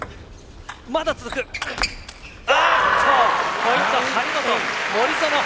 ポイント、張本、森薗！